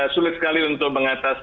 sulit sekali untuk mengatas